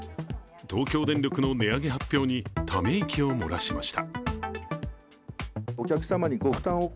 東京電力の値上げ発表にためいきを漏らしました。